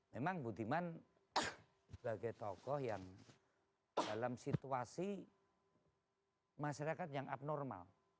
memang budiman sebagai tokoh yang dalam situasi masyarakat yang abnormal